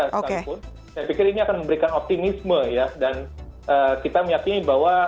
sekalipun saya pikir ini akan memberikan optimisme ya dan kita meyakini bahwa